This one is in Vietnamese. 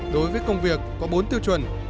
đối với công việc có bốn tiêu chuẩn